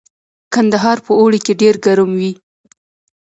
کندهار په اوړي کې ډیر ګرم وي